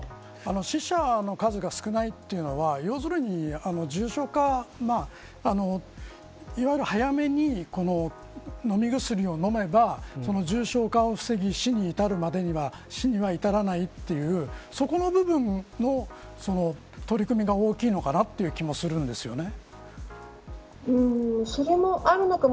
死者の数が少ないというのは要するに、重症化いわゆる、早めに飲み薬を飲めば重症化を防ぎ死に至るまでには死には至らないというそこの部分の取り組みが大きいのかなという気もするんですね。